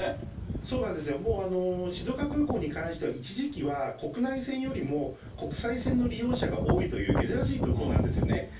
そうなんですよ、もう、静岡空港に関しては、一時期は国内線よりも国際線の利用者が多いという珍しい空港なんですよね。